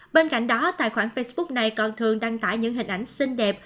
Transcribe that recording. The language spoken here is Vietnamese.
bên cạnh đó tài khoản facebook này còn thường đăng tải những hình ảnh xinh đẹp